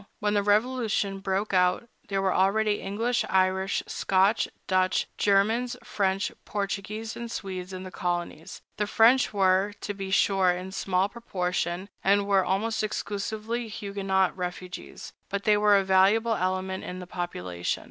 When the Revolution broke out, there were already English, Irish, Scotch, Dutch, Germans, French, Portuguese, and Swedes in the colonies. The French were, to be sure, in small proportion, and were almost exclusively Huguenot refugees, but they were a valuable element in the population.